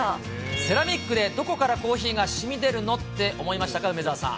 セラミックでどこからコーヒーがしみ出るの？って思いましたか、梅澤さん。